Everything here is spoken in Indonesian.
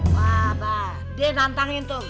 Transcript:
laba di nantangin tuh